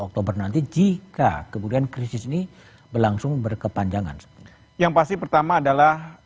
dua puluh oktober nanti jika kemudian crisis nih berlangsung berkepanjangan yang pasti pertama adalah